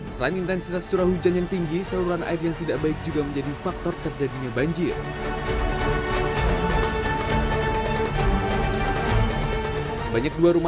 selain intensitas curah hujan yang tinggi saluran air yang tidak baik juga menjadi faktor terjadinya banjir